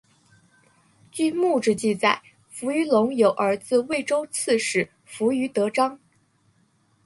据墓志记载扶余隆有儿子渭州刺史扶余德璋。